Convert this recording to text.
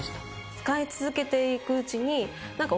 使い続けていくうちに。